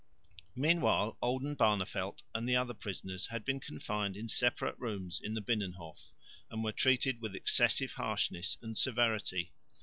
Meanwhile Oldenbarneveldt and the other prisoners had been confined in separate rooms in the Binnenhof and were treated with excessive harshness and severity.